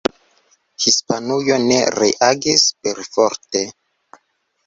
Hispanujo ne reagis perforte.